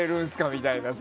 みたいなさ。